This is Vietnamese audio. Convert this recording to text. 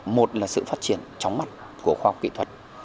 một là sự phát triển tróng mắt của khoa học kỹ thuật